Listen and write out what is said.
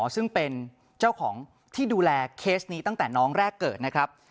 ซึ่งเป็นเจ้าของที่ดูแลเคสนี้ตั้งแต่น้องแรกเกิดนะครับ